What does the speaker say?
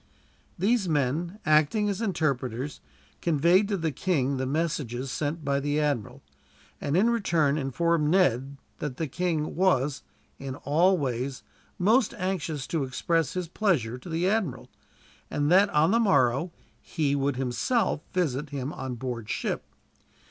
These men, acting as interpreters, conveyed to the king the messages sent by the admiral; and in return informed Ned that the king was, in all ways, most anxious to express his pleasure to the admiral; and that, on the morrow, he would himself visit him on board ship.